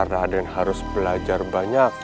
raden harus belajar banyak